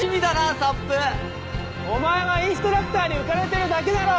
お前はインストラクターに浮かれてるだけだろ！